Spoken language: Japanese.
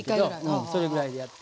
それぐらいでやって。